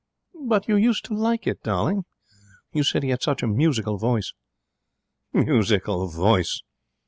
'But you used to like it, darling. You said he had such a musical voice.' 'Musical voice!'